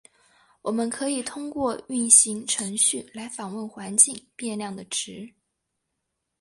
我们可以通过运行程序来访问环境变量的值。